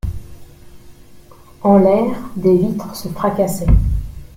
En l'air des vitres se fracassaient.